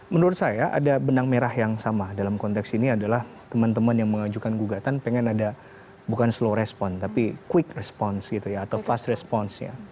menurut saya ada benang merah yang sama dalam konteks ini adalah teman teman yang mengajukan gugatan pengen ada bukan slow respon tapi quick response gitu ya atau fast response nya